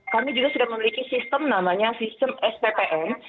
kami juga sudah memiliki sistem namanya sistem sppn